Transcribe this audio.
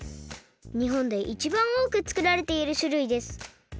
にほんでいちばんおおくつくられているしゅるいです。